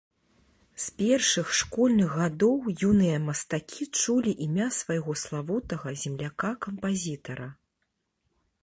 З першых школьных гадоў юныя мастакі чулі імя свайго славутага земляка-кампазітара.